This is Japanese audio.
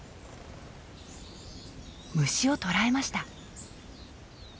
虫を捕らえました。